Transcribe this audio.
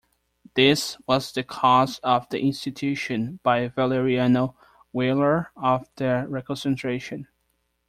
This was the cause of the institution, by Valeriano Weyler, of the reconcentration.